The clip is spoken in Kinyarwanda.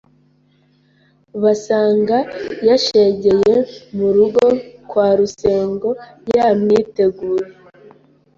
Basanga yashegeye mu rugo kwa Rusengo yamwiteguye.